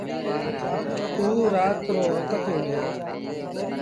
اوٚ رآت رو وکت هُݩدو۔